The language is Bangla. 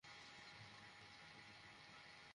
এখন আমি বুঝেছি।